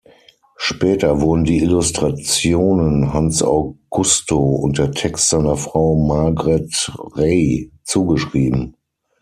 Später wurden die Illustrationen Hans Augusto und der Text seiner Frau, Margret Rey, zugeschrieben.